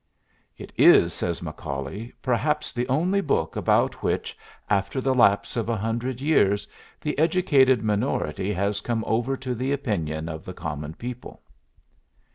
"It is," says Macaulay, "perhaps the only book about which, after the lapse of a hundred years, the educated minority has come over to the opinion of the common people."